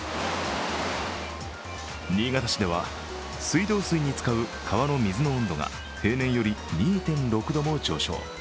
新潟市では水道水に使う川の水の温度が平年より２．６度も上昇。